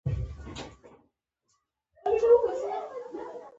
دا د ټولنیز فشار یو ډول دی.